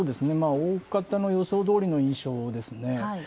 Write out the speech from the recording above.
おおかたの予想どおりの印象ですね。